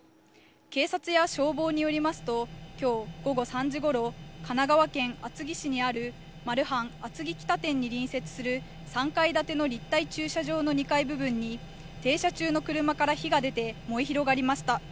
警察や消防によりますと、きょう午後３時ごろ、神奈川県厚木市にあるマルハン厚木北店に隣接する３階建ての立体駐車場の２階部分に、停車中の車から火が出て燃え広がりました。